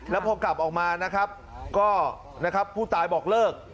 แล้วพอกลับออกมานะครับก็นะครับผู้ตายบอกเลิก